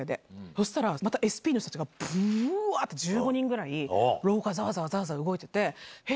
そしたら、またＳＰの人たちがぶわーっと１５人ぐらい、廊下ざわざわざわざわ動いてて、え？